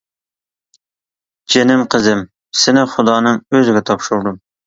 — جېنىم قىزىم، سېنى خۇدانىڭ ئۆزىگە تاپشۇردۇم.